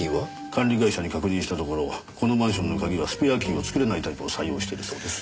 管理会社に確認したところこのマンションの鍵はスペアキーを作れないタイプを採用しているそうです。